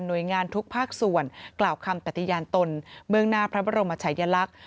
หน่วยงานทุกภาคส่วนกล่าวคำปัตยานตนเมืองหน้าพระบรมชัยยลักษณ์